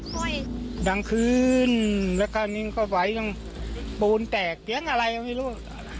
ค่อยดังคืนแล้วคราวนี้มันก็ไหวตรงปูนแตกเตียงอะไรไม่รู้